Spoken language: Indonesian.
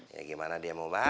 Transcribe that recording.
ya gimana dia mau bahas